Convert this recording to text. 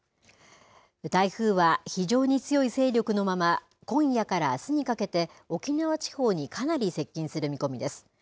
台風は非常に強い勢力のまま、今夜からあすにかけて沖縄地方にかなり接近する見込みです。